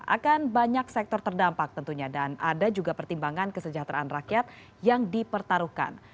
akan banyak sektor terdampak tentunya dan ada juga pertimbangan kesejahteraan rakyat yang dipertaruhkan